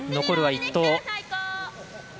残るは１投。